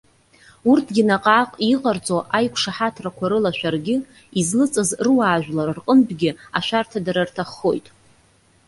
Урҭгьы наҟ-ааҟ иҟарҵо аиқәшаҳаҭрақәа рыла шәаргьы, излыҵыз руаажәлар рҟынтәгьы ашәарҭадара рҭаххоит.